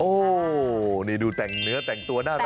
โอ้โหนี่ดูแต่งเนื้อแต่งตัวน่ารัก